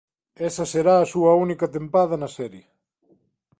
Esa será a súa única tempada na serie.